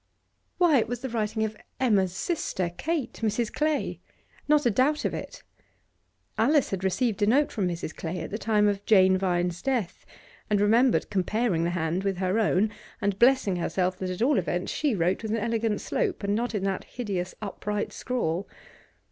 Why, it was the writing of Emma's sister, Kate, Mrs. Clay. Not a doubt of it. Alice had received a note from Mrs. Clay at the time of Jane Vine's death, and remembered comparing the hand with her own and blessing herself that at all events she wrote with an elegant slope, and not in that hideous upright scrawl.